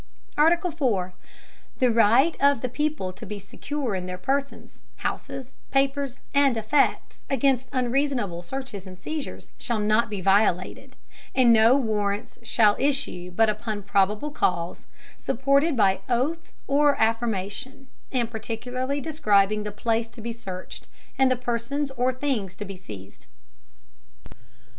IV. The right of the people to be secure in their persons, houses, papers, and effects, against unreasonable searches and seizures, shall not be violated, and no Warrants shall issue, but upon probable cause, supported by Oath or affirmation, and particularly describing the place to be searched, and the persons or things to be seized.